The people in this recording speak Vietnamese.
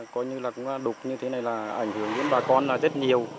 coi như là đục như thế này là ảnh hưởng đến bà con rất nhiều